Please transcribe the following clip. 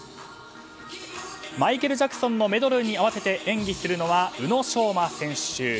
マイケル・ジャクソンのメドレーに合わせて演技するのは宇野昌磨選手。